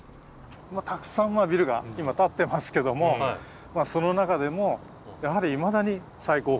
たくさんビルが今建ってますけどもまあその中でもやはりいまだに最高峰だと。